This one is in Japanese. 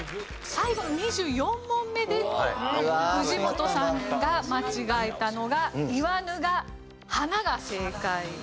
最後の２４問目で藤本さんが間違えたのが言わぬが花が正解。